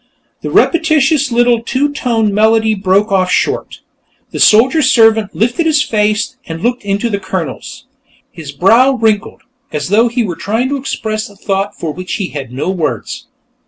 The repetitious little two tone melody broke off short. The soldier servant lifted his face and looked into the Colonel's. His brow wrinkled, as though he were trying to express a thought for which he had no words.